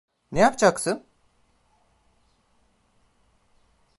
Ne yapacaksın?